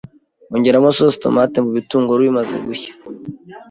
Ongeramo sauce tomate mubitunguru bimaze gushya,